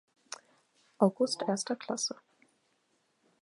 August Erster Klasse.